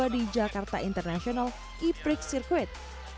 di jakarta international e prix circuit